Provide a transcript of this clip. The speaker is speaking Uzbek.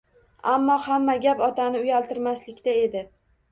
Ammo hamma gap otani uyaltirmaslikda edi.